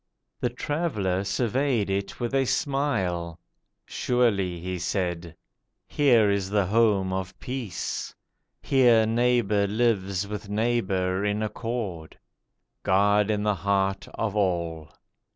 The Traveller surveyed it with a smile. 'Surely,' He said, 'here is the home of peace; Here neighbour lives with neighbour in accord; God in the heart of all.